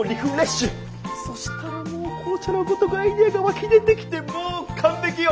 そしたらもう紅茶のごとくアイデアが湧き出てきてもう完璧よ。